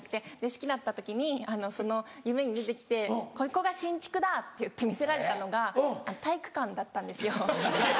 好きだった時にその夢に出て来てここが新築だ！って言って見せられたのが体育館だったんですよ。